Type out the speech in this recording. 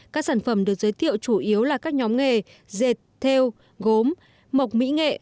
các sản phẩm được giới thiệu chủ yếu là các nhóm nghề dệt theo gốm mộc mỹ nghệ